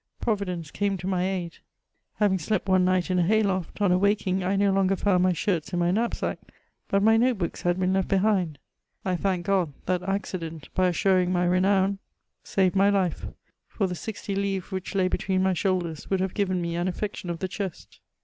Providence came to my aid : having slept one night in a hay loft, on awaking I no longer found my shirts in my knapsack, but my note books had been left behind. I thank God I that accident, by assuring my renawny saved CHATEAUBRIAND. S41 ■ II my life, for the sixty livres which lay hetween my shoulders would have given me an affection of the chest.